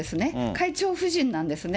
会長夫人なんですね。